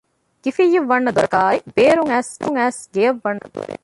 ގިފިއްޔަށް ވަންނަ ދޮރަކާއި ބޭރުން އައިސް ގެއަށް ވަންނަ ދޮރެއް